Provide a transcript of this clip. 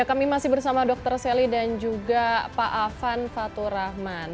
kami masih bersama dr sally dan juga pak afan fatur rahman